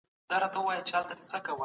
کورني ستونزې باید په تفاهم سره حل شي.